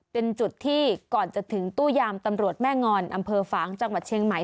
เป็นจุดที่ก่อนจะถึงตู้ยามตำรวจแม่งอนอำเภอฝางจังหวัดเชียงใหม่